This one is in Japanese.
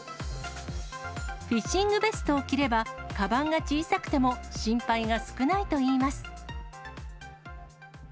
フィッシングベストを着れば、かばんが小さくても心配が少ないといいます。